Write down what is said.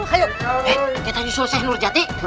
ayo kita disuruh seh nurjati